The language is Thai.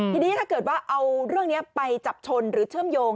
ทีนี้ถ้าเกิดว่าเอาเรื่องนี้ไปจับชนหรือเชื่อมโยง